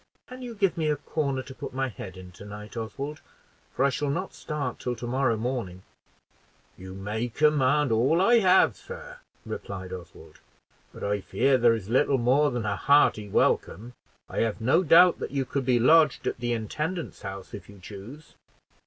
"Can you give me a corner to put my head in to night, Oswald? for I shall not start till to morrow morning." "You may command all I have, sir," replied Oswald; "but I fear there is little more than a hearty welcome; I have no doubt that you could be lodged at the intendant's house if you choose."